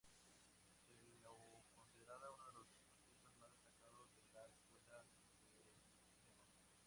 Se lo considera uno de los artistas más destacados de la escuela veneciana.